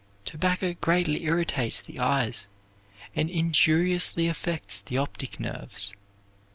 Tobacco greatly irritates the eyes, and injuriously affects the optic nerves.